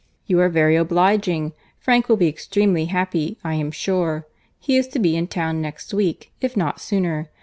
"You are very obliging.—Frank will be extremely happy, I am sure.— He is to be in town next week, if not sooner.